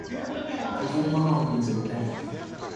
硬いものを踏むと痛い。